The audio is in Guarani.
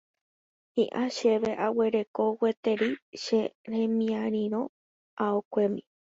Hi'ã chéve aguereko gueteri che remiarirõ aokuemi.